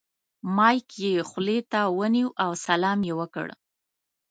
مایک یې خولې ته ونیو او سلام یې وکړ.